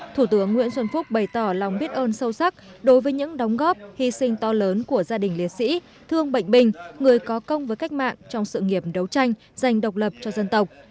thủ tướng nguyễn xuân phúc bày tỏ lòng biết ơn sâu sắc đối với những đóng góp hy sinh to lớn của gia đình liệt sĩ thương bệnh bình người có công với cách mạng trong sự nghiệp đấu tranh dành độc lập cho dân tộc